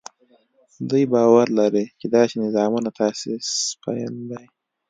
دوی باور لري چې داسې نظامونو تاسیس پیل دی.